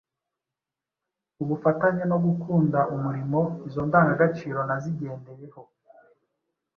ubufatanye no gukunda umurimo. Izo ndangagaciro nazigendeyeho